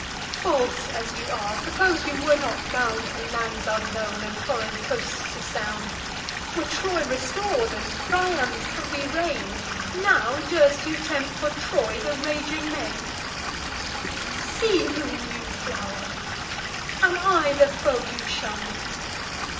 False as you are, suppose you were not bound To lands unknown, and foreign coasts to sound; Were Troy restor'd, and Priam's happy reign, Now durst you tempt, for Troy, the raging main? See whom you fly! am I the foe you shun?